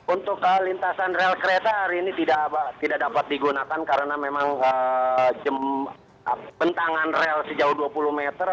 untuk lintasan rel kereta hari ini tidak dapat digunakan karena memang bentangan rel sejauh dua puluh meter